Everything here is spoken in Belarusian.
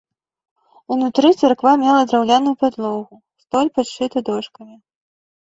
Унутры царква мела драўляную падлогу, столь падшыта дошкамі.